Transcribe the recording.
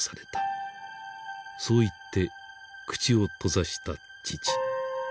そう言って口を閉ざした父。